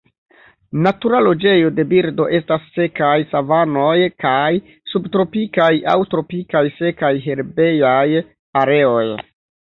Natura loĝejo de birdo estas sekaj savanoj kaj subtropikaj aŭ tropikaj sekaj herbejaj areoj.